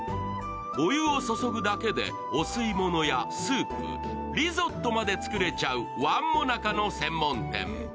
お湯を注ぐだけでお吸い物やスープ、リゾットまで作れちゃう椀もなかの専門店。